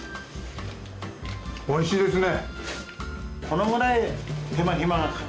おいしいですね。